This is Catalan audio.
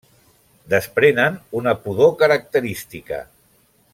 Desprenen una pudor característica.